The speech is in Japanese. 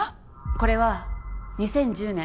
これは２０１０年